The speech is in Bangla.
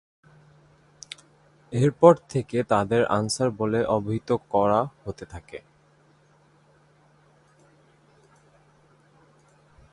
এরপর থেকে তাদের আনসার বলে অবিহিত করা হতে থাকে।